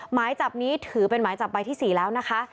หมายจับนี้ถือเป็นหมายจับใบที่๔แล้วนะคะ